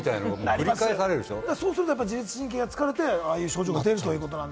みたいな、ぶり返さそうすると自律神経が疲れてああいう症状が出ると。